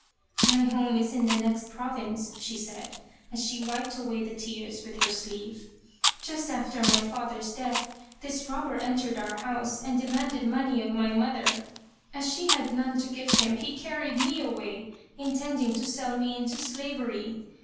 " My home is in the next province," she said, as she wiped away the tears with her sleeve. " Just after my father's death this robber entered our house 112 The Reincarnation of Tama and demanded money of my mother. As she had none to give him he carried me away, intending to sell me into slaver}".